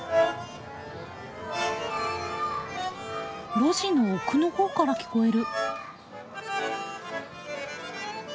路地の奥の方から聞こえる。